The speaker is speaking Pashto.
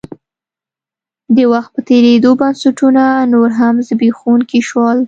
د وخت په تېرېدو بنسټونه نور هم زبېښونکي شول.